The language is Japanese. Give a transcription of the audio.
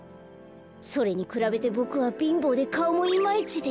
それにくらべてボクはびんぼうでかおもイマイチで。